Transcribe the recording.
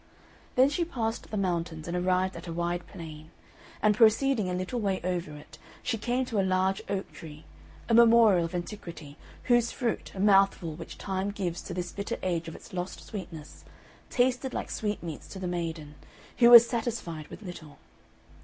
Then she passed the mountains and arrived at a wide plain; and proceeding a little way over it, she came to a large oak tree, a memorial of antiquity, whose fruit (a mouthful which Time gives to this bitter age of its lost sweetness) tasted like sweetmeats to the maiden, who was satisfied with little.